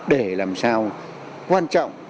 để làm sao quan trọng